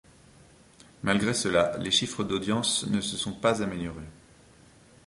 Malgré cela les chiffres d'audience ne se sont pas améliorés.